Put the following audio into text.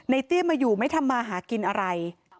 เตี้ยมาอยู่ไม่ทำมาหากินอะไร